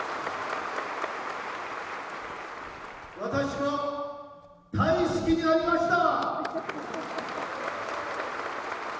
私は大好きになりました。